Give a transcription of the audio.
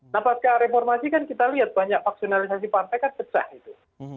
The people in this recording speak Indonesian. nah pas ke reformasi kan kita lihat banyak vaksinalisasi partai kan becah itu